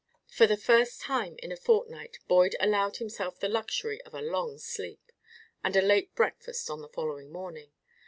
For the first time in a fortnight Boyd allowed himself the luxury of a long sleep, and a late breakfast on the following morning.